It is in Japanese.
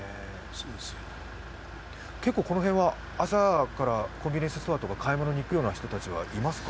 結構この辺は朝からコンビニエンスストアに買い物に行くような人たちはいますか？